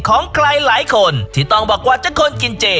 ของใครหลายคนที่ต้องบอกว่าจะคนกินเจ